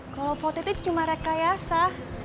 kalau pot itu cuma rekayasa